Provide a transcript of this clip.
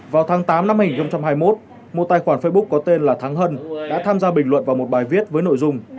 vào tháng tám năm hai nghìn hai mươi một một tài khoản facebook có tên là thắng hân đã tham gia bình luận vào một bài viết với nội dung